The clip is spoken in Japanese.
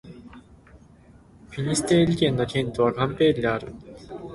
フィニステール県の県都はカンペールである